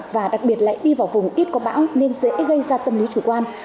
và đặc biệt lại đi vào vùng ít có bão nên dễ gây ra tâm lý chủ quan